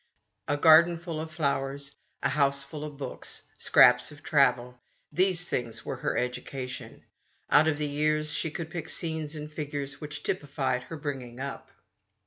A garden full of flowers, a house full of books, scraps of travel : these things were her 16 THE STORY OF A MODERN WOMAN. education. Out of the years she could pick scenes and figures which typified her bring ing up.